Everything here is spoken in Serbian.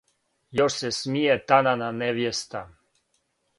Још се смије танана невјеста,